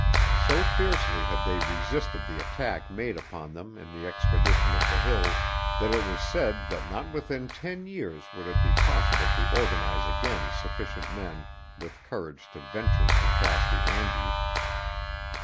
So fiercely had they resisted the attack made upon them in the expedition of the hills that it was said that not within ten years would it be possible to organize again sufficient men with courage to venture to cross the Andes.